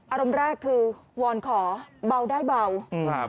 อารมณ์แรกคือวอนขอเบาได้เบาอืม